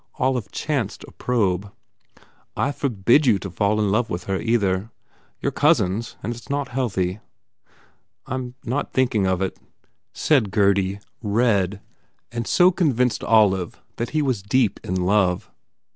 Olive chanced a probe. "I forbid you to fall in love with her, either. You re cousins and it s not healthy." "I m not thinking of it," said Gurdy, red, and so convinced Olive that he was deep in love.